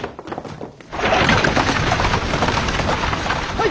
はい！